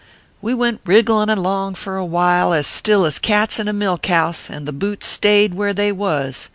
" We went wrigglin along for a while as still as cats in a milk house, and the butes stayed where they was.